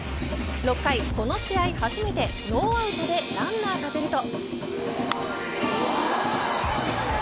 ６回、この試合初めてノーアウトでランナーが出ると。